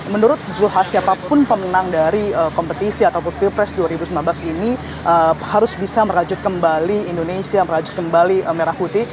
menurut zulkifli hasan siapapun pemenang dari kompetisi ataupun pilpres dua ribu sembilan belas ini harus bisa merajut kembali indonesia merajut kembali merah putih